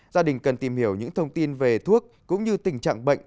gia đình cần tìm hiểu những thông tin về thuốc cũng như tình trạng bệnh